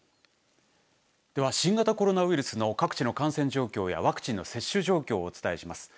では新型コロナウイルスの各地の感染状況やワクチンの接種状況をお伝えします。